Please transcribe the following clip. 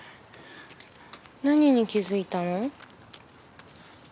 何に気付いたの？